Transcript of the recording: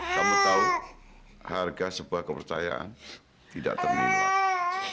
kamu tahu harga sebuah kepercayaan tidak terlindungi